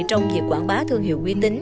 trong việc quảng bá thương hiệu uy tín